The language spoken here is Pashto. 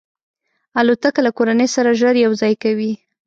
الوتکه له کورنۍ سره ژر یو ځای کوي.